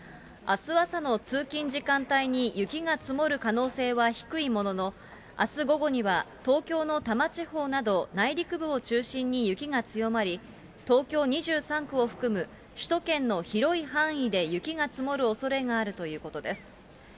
あす朝の通勤時間帯に雪が積もる可能性は低いものの、あす午後には、東京の多摩地方など内陸部を中心に雪が強まり、東京２３区を含む首都圏の広い範囲で雪が積もるおそれがあるということです。